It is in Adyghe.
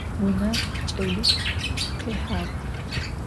Vunem ç'elix khihağ.